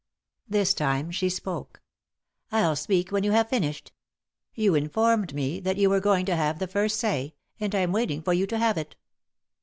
This time she spoke. "I'll speak when you have finished. You in formed me that you were going to have the first say ; I'm waiting for you to have it."